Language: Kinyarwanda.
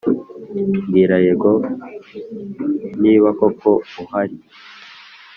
Mbwira yego niba koko uhari